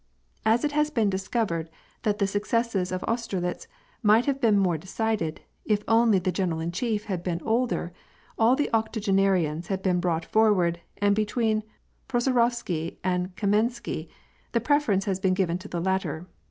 As it has been discovered that the success of Auster nta might have been more decided, if only the general in chief had boon older, all the octogenarians have been brought forward, and between Prosorovsky and Kamensky, the preference has been given to the latter.